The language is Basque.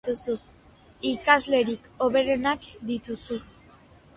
Ikaslerik hoberenak dituzu.